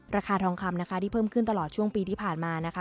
ราคาทองคำนะคะที่เพิ่มขึ้นตลอดช่วงปีที่ผ่านมานะคะ